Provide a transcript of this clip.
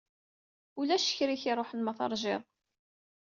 Ulac kra ek-ruḥen ma teṛjiḍ.